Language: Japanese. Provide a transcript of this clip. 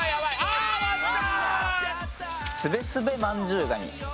あ終わった！